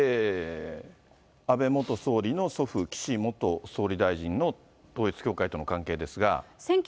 安倍元総理の祖父、岸元総理大臣の統一教会との関係ですが。